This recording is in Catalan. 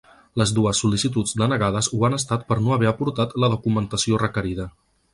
Les dues sol·licituds denegades ho han estat per no haver aportat la documentació requerida.